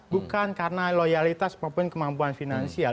bukan karena loyalitas maupun kemampuan finansial